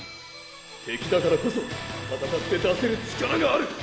敵だからこそ闘って出せる力がある！